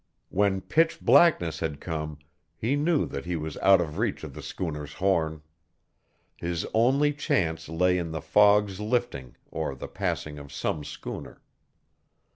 When pitch blackness had come he knew that he was out of reach of the schooner's horn. His only chance lay in the fog's lifting or the passing of some schooner.